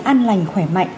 ăn lành khỏe mạnh